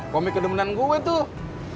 komik kedemenan gue tuh